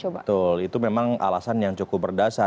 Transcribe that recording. betul itu memang alasan yang cukup berdasar